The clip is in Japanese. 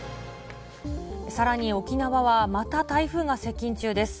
さらに沖縄はまた台風が接近中です。